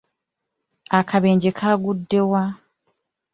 Akabenje kaagudde wa?